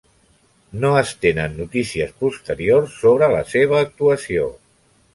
No es tenen notícies posteriors sobre la seva actuació.